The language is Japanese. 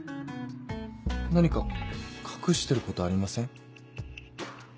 何か隠してることありません？